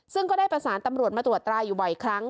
ซึ่งก็ได้ประสานตำรวจมาตรวจตราอยู่บ่อยครั้ง